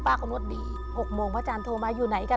กำหนดดี๖โมงพระอาจารย์โทรมาอยู่ไหนกัน